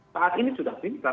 saat ini sudah pintar